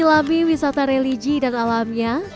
menyelami wisata religi dan alamnya